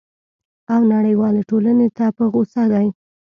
او نړیوالي ټولني ته په غوصه دی!